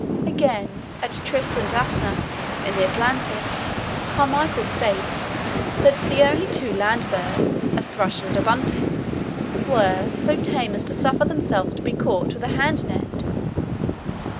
Again, at Tristan d'Acunha in the Atlantic, Carmichael states that the only two land birds, a thrush and a bunting, were "so tame as to suffer themselves to be caught with a hand net."